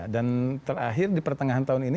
dan terakhir di pertengahan tahun ini